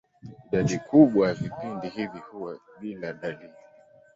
Idadi kubwa ya vipindi hivi huwa bila dalili.